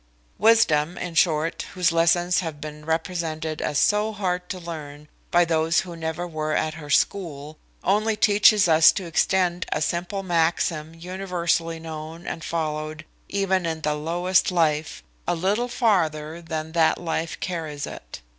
Wisdom, in short, whose lessons have been represented as so hard to learn by those who never were at her school, only teaches us to extend a simple maxim universally known and followed even in the lowest life, a little farther than that life carries it.